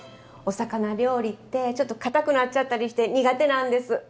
お魚料理ってちょっとかたくなっちゃったりして苦手なんです。